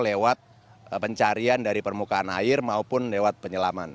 lewat pencarian dari permukaan air maupun lewat penyelaman